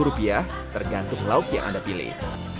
rp tiga puluh tergantung lauk yang anda pilih